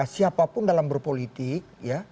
selama siapapun dalam berpolitik